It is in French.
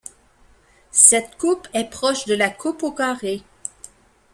Cette coupe est proche de la coupe au carré.